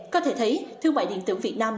có thể thấy thương mại điện tử việt nam